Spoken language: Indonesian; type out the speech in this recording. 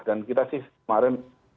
dan kita sih kemarin